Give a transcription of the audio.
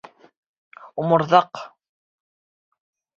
Оморҙаҡ!